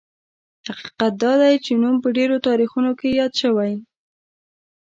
حقیقت دا دی چې نوم په ډېرو تاریخونو کې یاد شوی.